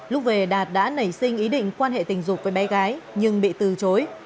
lúc về đạt đã nảy sinh ý định quan hệ tình dục với bé gái nhưng bị từ chối